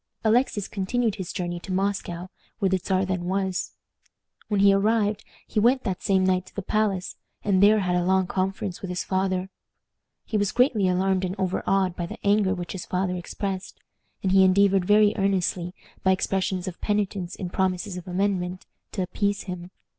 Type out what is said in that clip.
Alexis continued his journey to Moscow, where the Czar then was. When he arrived he went that same night to the palace, and there had a long conference with his father. He was greatly alarmed and overawed by the anger which his father expressed, and he endeavored very earnestly, by expressions of penitence and promises of amendment, to appease him.